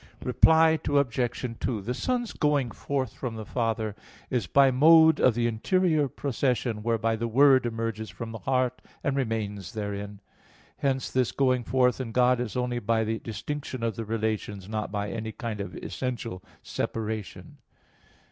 Reply Obj. 2: The Son's going forth from the Father is by mode of the interior procession whereby the word emerges from the heart and remains therein. Hence this going forth in God is only by the distinction of the relations, not by any kind of essential separation.